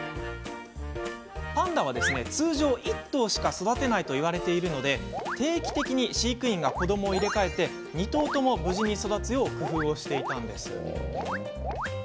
パンダは、通常１頭しか育てないといわれているため定期的に飼育員が子どもを入れ替え２頭とも無事に育つよう工夫をしていたんです。